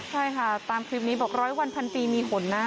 ใช่ค่ะตามคลิปนี้บอก๑๐๐วัน๑๐๐๐ปีมีฝนนะ